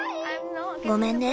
ごめんね。